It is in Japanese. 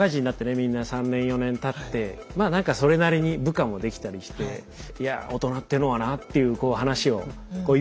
みんな３年４年たってまあなんかそれなりに部下もできたりして「いや大人っていうのはな」っていう話をいっぱいされるので。